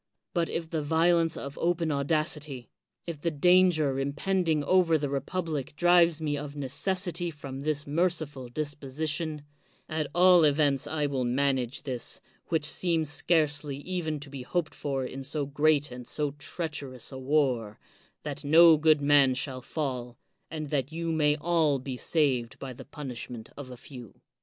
But if the violence of open audac ity, if danger impending over the republic drives me of necessity from this merciful disposition, at all events I will manage this, which seems scarcely even to be hoped for in so great and so treacherous a war, that no good man shall fall, and that you may all be saved by the punishment of a few.